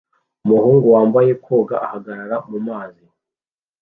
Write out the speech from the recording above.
Umuhungu wambaye koga ahagarara mumazi